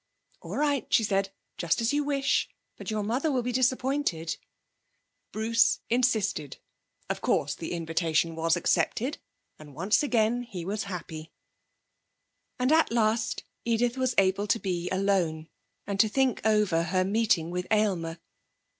'All right,' she said, 'just as you wish. But your mother will be disappointed.' Bruce insisted. Of course the invitation was accepted, and once again he was happy! And at last Edith was able to be alone, and to think over her meeting with Aylmer.